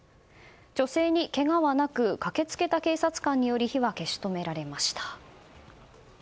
女性にけがはなく駆け付けた警察官により火は消し止められました。